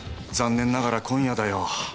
残念ながら今夜だよ。